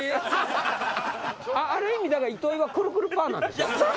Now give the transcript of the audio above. ある意味糸井はくるくるパーなんでしょ？